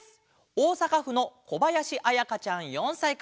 おおさかふのこばやしあやかちゃん４さいから。